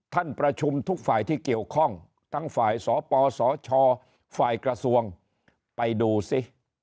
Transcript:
ท่านประชุมทุกฝ่ายที่เกี่ยวข้องทั้งฝ่ายสปสชฝ่ายกระทรวงไปดูสิ